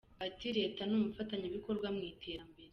Ati “Leta ni umufatanyabikorwa mu iterambere.